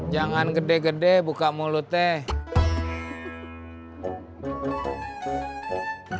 jangan gede gede buka mulutnya